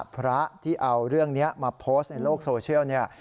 พระที่เอาเรื่องนี้มาโพสต์ในโลกโซเชียลเนี่ย